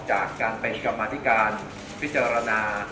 จากการเป็นกรรมธิการพิจารณา